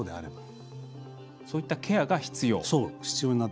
そういったケアが必要と。